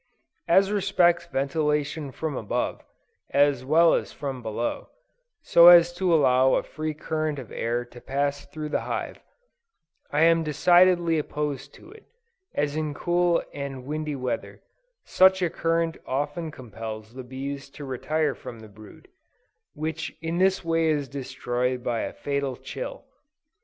As respects ventilation from above, as well as from below, so as to allow a free current of air to pass through the hive, I am decidedly opposed to it, as in cool and windy weather, such a current often compels the bees to retire from the brood, which in this way is destroyed by a fatal chill.